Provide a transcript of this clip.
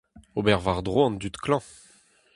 Ober war-dro an dud klañv.